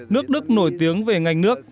nước đức nổi tiếng về ngành nước